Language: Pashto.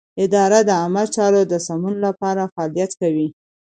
اداره د عامه چارو د سمون لپاره فعالیت کوي.